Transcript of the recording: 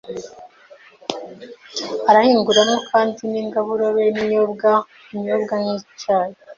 Arahinguramwo kandi n' ingaburo be n'inyobwa 'tisane'inyobwa nk'icayi